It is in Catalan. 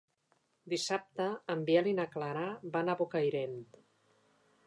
Dissabte en Biel i na Clara van a Bocairent.